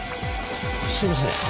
すいません